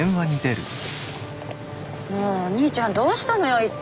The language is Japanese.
もうお兄ちゃんどうしたのよ一体？